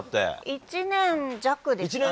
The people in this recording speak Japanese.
１年弱ですかね。